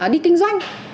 đi kinh doanh